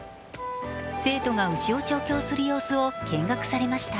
生徒が牛を調教する様子を見学されました。